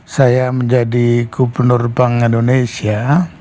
saya menjadi gubernur bank indonesia